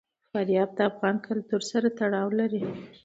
فاریاب د افغان کلتور سره تړاو لري.